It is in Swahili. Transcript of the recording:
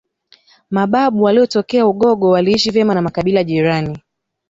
Mababu waliotokea Ugogo waliishi vyema na makibila jirani